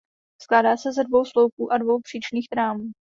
Skládá se ze dvou sloupů a dvou příčných trámů.